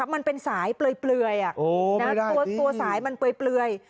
มันเป็นสายเปลือยตัวสายมันเปลือย